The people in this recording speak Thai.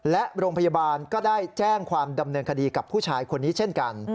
และโรงพยาบาลก็ได้แจ้งความดำเนินคดีกับผู้ชายคนนี้เช่นกัน